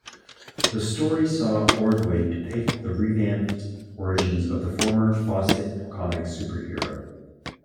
The story saw Ordway depict the revamped origins of the former-Fawcett Comics superhero.